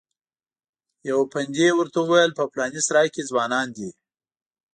یوه پندي ورته وویل په پلانې سرای کې ځوانان دي.